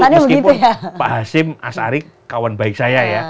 meskipun pak hasim asarik kawan baik saya ya